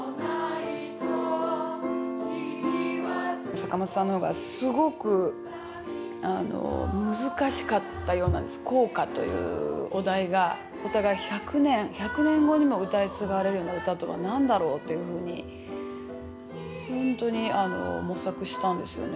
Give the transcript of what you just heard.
坂本さんのほうが、すごく難しかったようなんです、校歌というお題が、お互い、１００年後にも歌い継がれるようになる歌とはなんだろうというふうに、本当に模索したんですよね。